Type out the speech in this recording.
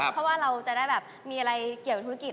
เพราะว่าเราจะได้แบบมีอะไรเกี่ยวกับธุรกิจ